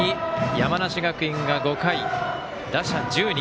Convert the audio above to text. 山梨学院が５回打者１０人。